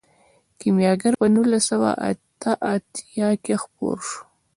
کیمیاګر په نولس سوه اته اتیا کې خپور شو.